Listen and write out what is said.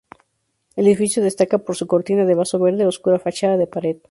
El edificio destaca para su cortina de vaso verde oscura fachada de pared.